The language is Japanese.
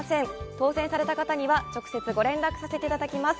当せんされた方には直接ご連絡させていただきます。